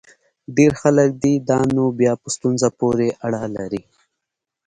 ډېر خلک دي؟ دا نو بیا په ستونزه پورې اړه لري.